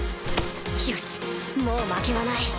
よしもう負けはない